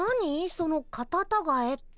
そのカタタガエって。